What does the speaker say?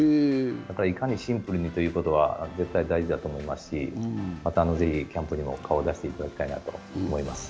いかにシンプルにということは絶対大事だと思いますしまた、ぜひキャンプにも顔を出していただきたいなと思います。